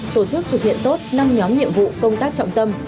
tổ chức thực hiện tốt năm nhóm nhiệm vụ công tác trọng tâm